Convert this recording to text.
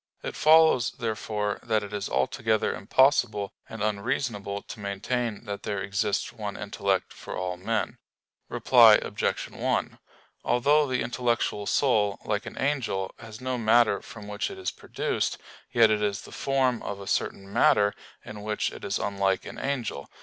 It follows, therefore, that it is altogether impossible and unreasonable to maintain that there exists one intellect for all men. Reply Obj. 1: Although the intellectual soul, like an angel, has no matter from which it is produced, yet it is the form of a certain matter; in which it is unlike an angel.